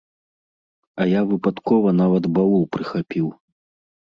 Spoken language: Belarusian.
А я выпадкова нават баул прыхапіў.